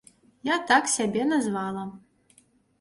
Я так сябе назвала.